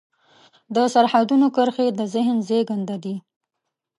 د سرحدونو کرښې د ذهن زېږنده دي.